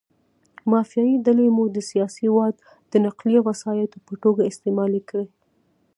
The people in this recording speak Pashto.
مافیایي ډلې مو د سیاسي واټ د نقلیه وسایطو په توګه استعمال کړي.